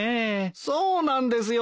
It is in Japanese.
そうなんですよ。